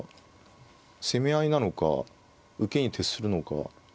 攻め合いなのか受けに徹するのか。